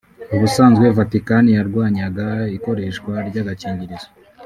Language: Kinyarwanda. ubusanzwe Vatikani yarwanyaga ikoreshwa ry’agakingirizo